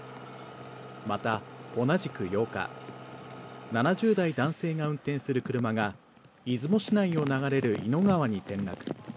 また、同じく８日、７０代男性が運転する車が、出雲市内を流れる伊野川に転落。